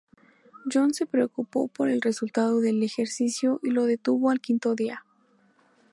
Jones se preocupó por el resultado del ejercicio y lo detuvo al quinto día.